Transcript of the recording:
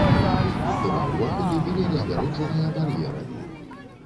Два ўваходы былі разгароджаныя бар'ерамі.